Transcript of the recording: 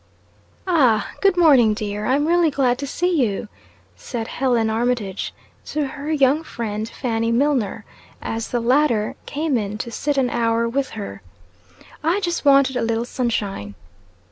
"AH, good morning, dear! I'm really glad to see you," said Helen Armitage to her young friend Fanny Milnor, as the latter came in to sit an hour with her. "I just wanted a little sunshine."